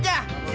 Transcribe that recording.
siapa pe bos deh